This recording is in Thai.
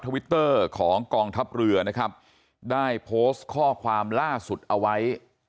วิตเตอร์ของกองทัพเรือนะครับได้โพสต์ข้อความล่าสุดเอาไว้